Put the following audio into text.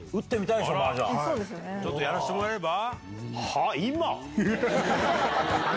ちょっとやらせてもらえば？